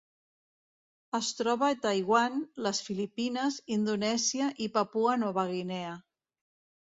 Es troba a Taiwan, les Filipines, Indonèsia i Papua Nova Guinea.